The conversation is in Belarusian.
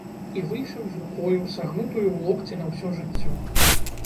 І выйшаў з рукою, сагнутаю ў локці на ўсё жыццё.